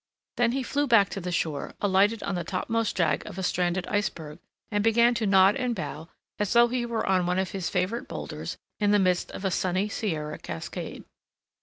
Then he flew back to the shore, alighted on the topmost jag of a stranded iceberg, and began to nod and bow as though he were on one of his favorite boulders in the midst of a sunny Sierra cascade.